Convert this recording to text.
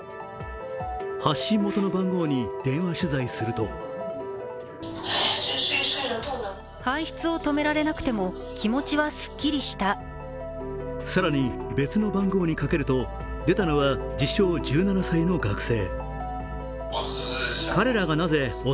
発信元の番号に電話取材すると更に別の番号にかけると、出たのは自称１７歳の学生。